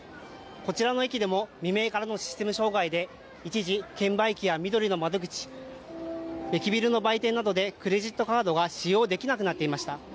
こちらの駅でも未明からのシステム障害で一時、券売機やみどりの窓口、駅ビルの売店などでクレジットカードが使用できなくなっていました。